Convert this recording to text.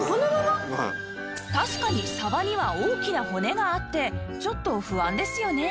確かにさばには大きな骨があってちょっと不安ですよね。